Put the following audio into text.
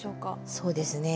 そうですね